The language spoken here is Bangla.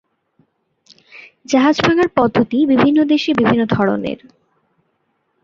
জাহাজ ভাঙ্গার পদ্ধতি বিভিন্ন দেশে বিভিন্ন ধরনের।